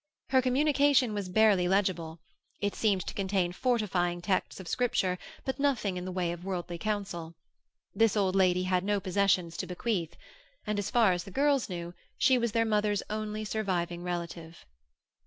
Her communication was barely legible; it seemed to contain fortifying texts of Scripture, but nothing in the way of worldly counsel. This old lady had no possessions to bequeath. And, as far as the girls knew, she was their mother's only surviving relative.